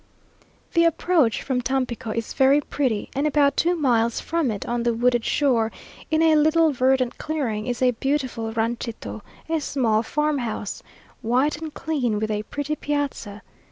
The approach from Tampico is very pretty, and about two miles from it on the wooded shore, in a little verdant clearing, is a beautiful ranchito a small farmhouse, white and clean, with a pretty piazza.